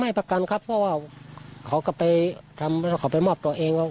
ไม่ประกันครับเพราะว่าขอไปมอบตัวเอง